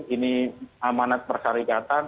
ini amanat persyarikatan